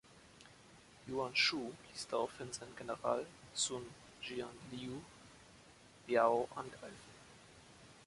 Yuan Shu ließ daraufhin seinen General Sun Jian Liu Biao angreifen.